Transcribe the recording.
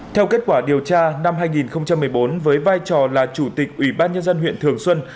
theo kết quả điều tra năm hai nghìn một mươi bốn với vai trò là chủ tịch ủy ban nhân dân huyện thường xuân